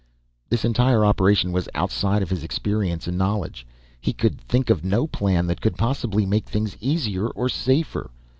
This entire operation was outside of his experience and knowledge. He could think of no plan that could possibly make things easier or safer.